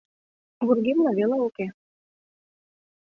Вургемна веле уке.